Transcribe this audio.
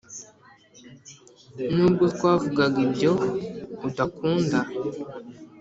n’ubwo twavuga ibyo udakunda